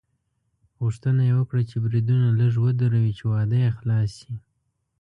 غوښتنه یې وکړه چې بریدونه لږ ودروي چې واده یې خلاص شي.